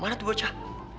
mana tuh bocah